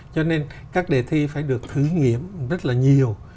cho nên các đề thi phải được thử nghiệm rất là nhiều